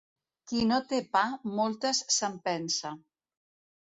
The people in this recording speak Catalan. Qui no té pa, moltes se'n pensa